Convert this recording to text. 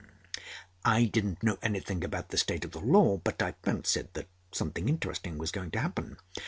I didn't know anything about the state of the law; but I fancied that something interesting was going to happen.